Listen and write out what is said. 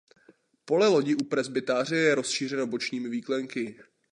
Pole lodi u presbytáře je rozšířeno bočními výklenky.